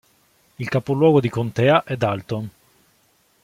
Il capoluogo di contea è Dalton.